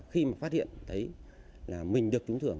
khi mà phát hiện thấy là mình được trúng thưởng